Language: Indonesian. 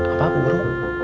apa bu guru